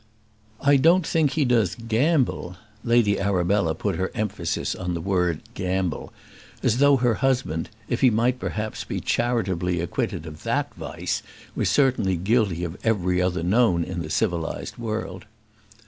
"I don't think he does gamble." Lady Arabella put her emphasis on the word gamble, as though her husband, if he might perhaps be charitably acquitted of that vice, was certainly guilty of every other known in the civilised world.